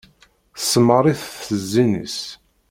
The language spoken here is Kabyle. Tsemmeṛ-it s zzin-is.